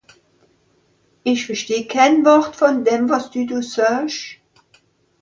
Ìch versteh kenn Wort vùn dem, wàs dü do saasch.